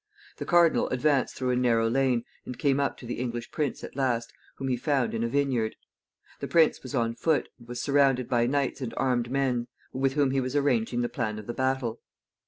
The cardinal advanced through a narrow lane, and came up to the English prince at last, whom he found in a vineyard. The prince was on foot, and was surrounded by knights and armed men, with whom he was arranging the plan of the battle.